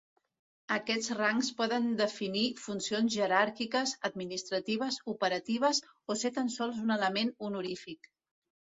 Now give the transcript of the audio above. Aquests rangs poden definir funcions jeràrquiques, administratives, operatives, o ser tan sols un element honorífic.